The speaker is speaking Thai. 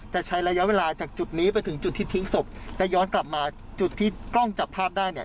จะใช้ระยะเวลาจากจุดนี้ไปถึงจุดที่ทิ้งศพและย้อนกลับมาจุดที่กล้องจับภาพได้เนี่ย